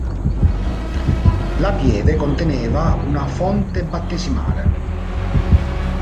La pieve conteneva una fonte battesimale.